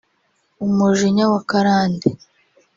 umujinya wa karande